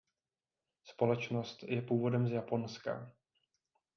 Společnost je původem z Japonska.